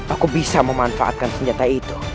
aku bisa memanfaatkan senjata itu